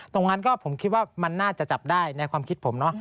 ตรงนั้นก็ผมคิดว่ามันน่าจะจับได้ในความคิดผมเนาะ